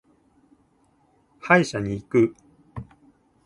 歯医者に行く。